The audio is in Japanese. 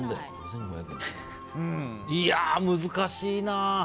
いやー、難しいな。